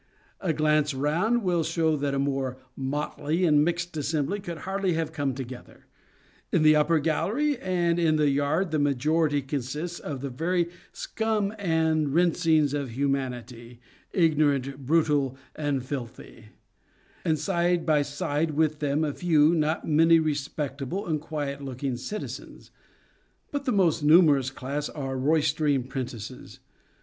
A glance round will show that a more motley and mixed assembly could hardly have come together. In the upper gallery and in the yard the majority consists of the very scum and rinsings of humanity, ignorant, brutal, and filthy ; and side by side with them a few — not many — ^respectable and quiet looking citizens ; but the most numerous class are roystering prentices.